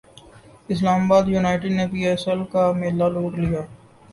اسلام باد یونائٹیڈ نے P S L کا میلہ لوٹ لیا